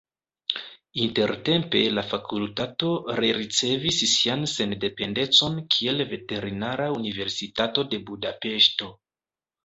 Intertempe la fakultato rericevis sian sendependecon kiel Veterinara Universitato de Budapeŝto.